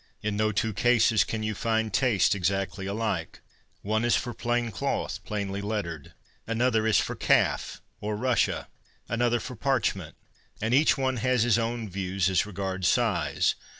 In no two cases can you find tastes exactly alike. One is for plain cloth, plainly lettered, another is for calf or russia, another for parchment. And ' HUMBLY TO CONFESS ' 23 each one has his own views as regards size.